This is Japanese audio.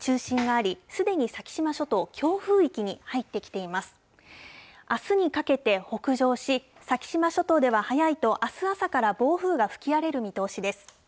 あすにかけて北上し、先島諸島では早いとあす朝から暴風が吹き荒れる見通しです。